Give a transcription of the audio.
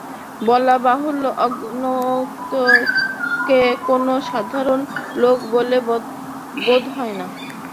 বলাবাহুল্য আগন্তুককে কোনো সাধারণ লোক বলে বোধ হয় না।